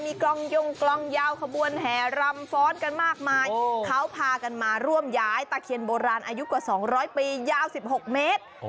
มีกลองยงกลองยาวขบวนแห่รำฟ้อนกันมากมายเขาพากันมาร่วมย้ายตะเคียนโบราณอายุกว่า๒๐๐ปียาว๑๖เมตร